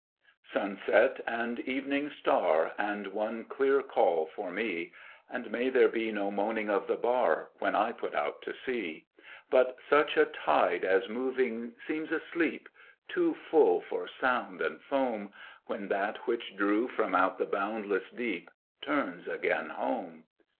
Sunset and evening star, And one clear call for me ! And may there be no moaning of the bar, When I put out to sea, But such a tide as moving seems asleep, Too full for sound and foam, When that which drew from out the boundless deep Turns again home.